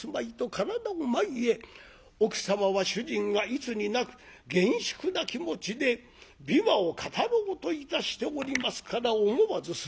奥様は主人がいつになく厳粛な気持ちで琵琶を語ろうといたしておりますから思わず座り直しました。